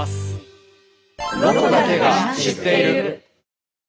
「ロコだけが知っている」。